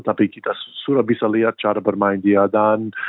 tapi kita sudah bisa lihat cara bermain dia dan